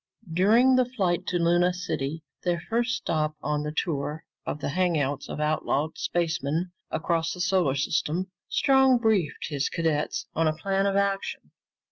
During the flight to Luna City, their first stop on the tour of the hangouts of outlawed spacemen across the solar system, Strong briefed his cadets on a plan of action.